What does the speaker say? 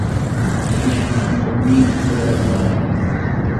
যেই শোনা, অমনি দ্রুতপদে পলায়ন।